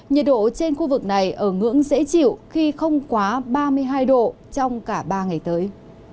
nhiệt độ trên khu vực này ở ngưỡng dễ chịu khi không quá ba mươi hai độ trong cả ba ngày tới